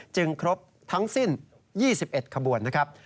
ครบทั้งสิ้น๒๑ขบวนนะครับ